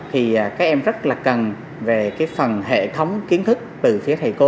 thì các em rất là cần về cái phần hệ thống kiến thức từ phía thầy cô